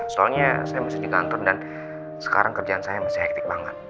soalnya saya mesti di kantor dan sekarang kerjaan saya masih hektik banget